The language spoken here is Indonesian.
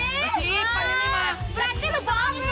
ya allah alba terima kasih